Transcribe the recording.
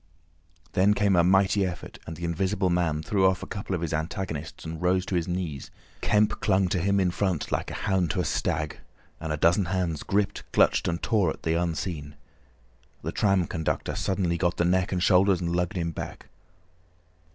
Then came a mighty effort, and the Invisible Man threw off a couple of his antagonists and rose to his knees. Kemp clung to him in front like a hound to a stag, and a dozen hands gripped, clutched, and tore at the Unseen. The tram conductor suddenly got the neck and shoulders and lugged him back.